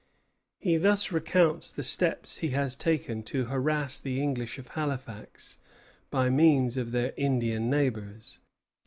He thus recounts the steps he has taken to harass the English of Halifax by means of their Indian neighbors.